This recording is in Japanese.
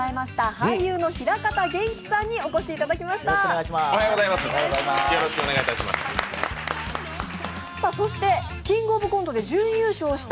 俳優の平方元基さんにお越しいただきました。